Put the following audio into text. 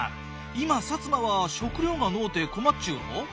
今摩は食料がのうて困っちゅうろう？